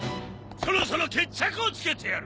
そろそろ決着をつけてやる。